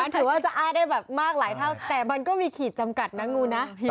ถือว่าจะอ้าได้แบบมากหลายเท่าแต่มันก็มีขีดจำกัดนะงูนะ